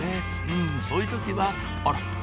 うんそういう時はあら！